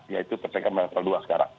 yaitu persekutuan manusia perdua sekarang